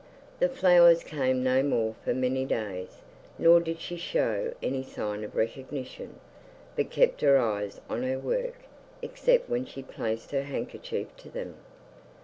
The flowers came no more for many days, nor did she show any sign of recognition, but kept her eyes on her work, except when she placed her handkerchief to them.